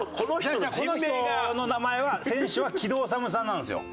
この人の名前は選手は木戸修さんなんですよ。